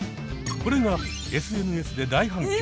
これがＳＮＳで大反響。